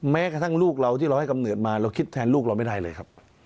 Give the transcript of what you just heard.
แม้กระทั่งลูกเราที่เราให้กำเนิดมาเราคิดแทนลูกเราไม่ได้เลยครับ